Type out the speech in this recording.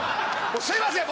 すいません。